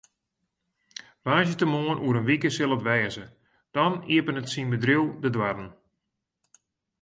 Woansdeitemoarn oer in wike sil it wêze, dan iepenet syn bedriuw de doarren.